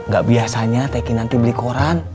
gak biasanya teki nanti beli koran